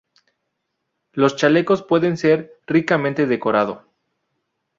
Los chalecos puede ser ricamente decorado.